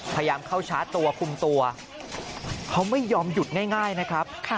พยายามเข้าชาร์จตัวคุมตัวเขาไม่ยอมหยุดง่ายนะครับ